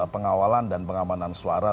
pengawalan dan pengamanan suara